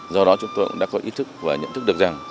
do đó chúng tôi cũng đã có ý thức và nhận thức được rằng